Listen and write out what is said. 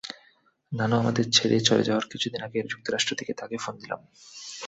নানু আমাদের ছেড়ে চলে যাওয়ার কিছুদিন আগে যুক্তরাষ্ট্র থেকে তাঁকে ফোন দিলাম।